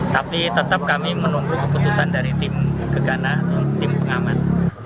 tapi tetap kami menunggu keputusan dari tim gagana tim pengaman